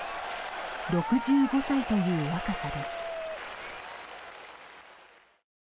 ６５歳という若さで。